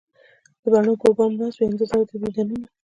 د بڼو پر بام یې ناست وي انتظار د دیدنونه